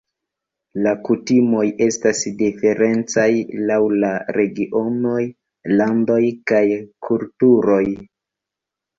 La kutimoj estas diferencaj laŭ la regionoj, landoj kaj kulturoj.